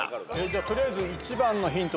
取りあえず１番のヒント